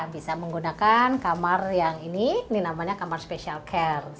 bisa menggunakan kamar yang ini ini namanya kamar special care